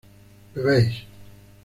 bebéis